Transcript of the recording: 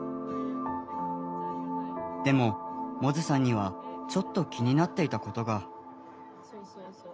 でも百舌さんにはちょっと気になっていたことが。